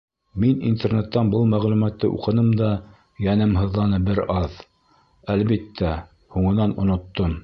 Мин интернеттан был мәғлүмәтте уҡыным да, йәнем һыҙланы бер аҙ, әлбиттә, һуңынан... оноттом.